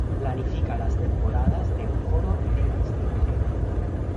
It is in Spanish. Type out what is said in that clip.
Planifica las temporadas del Coro en la institución.